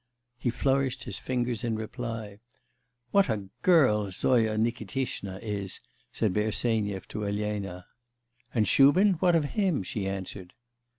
He flourished his fingers in reply. 'What a girl Zoya Nikitishna is!' said Bersenyev to Elena. 'And Shubin? What of him?' she answered.